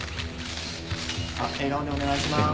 あっ笑顔でお願いします。